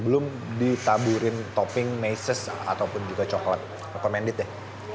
belum ditaburin topping meses ataupun juga coklat recommended deh